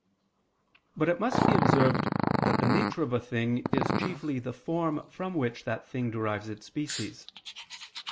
But it must be observed that the nature of a thing is chiefly the form from which that thing derives its species.